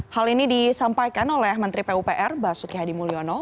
hal ini disampaikan oleh menteri pupr basuki hadi mulyono